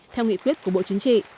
theo nghị quyết của bộ chính trị